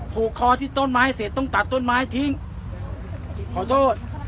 ผูกคอที่ต้นไม้เสร็จต้องตัดต้นไม้ทิ้งขอโทษ